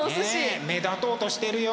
ねえ目立とうとしてるよ。